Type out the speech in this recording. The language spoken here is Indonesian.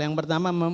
yang pertama me